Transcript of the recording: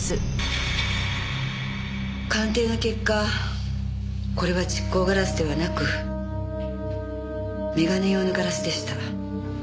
鑑定の結果これは蓄光ガラスではなく眼鏡用のガラスでした。